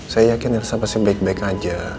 saya yakin irsa pasti baik baik aja